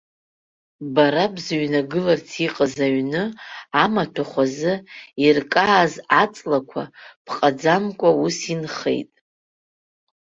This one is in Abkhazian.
Бара бзыҩнагыларц иҟаз аҩны амаҭәахә азы иркааз аҵлақәа ԥҟаӡамкәа ус инхеит.